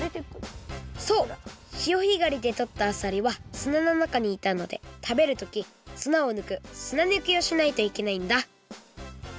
そうしおひがりでとったあさりは砂のなかにいたのでたべるとき砂をぬく砂ぬきをしないといけないんだ